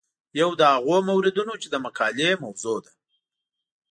یو له هغو موردونو چې د مقالې موضوع ده.